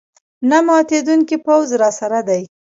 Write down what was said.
نه ماتېدونکی پوځ راسره دی.